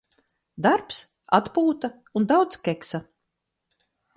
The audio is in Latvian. Darbs, atpūta un daudz keksa.